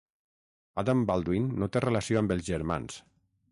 Adam Baldwin no té relació amb els germans.